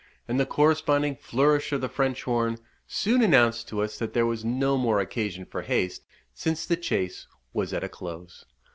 and the corresponding flourish of the French horn, soon announced to us that there was no more occasion for haste, since the chase was at a close.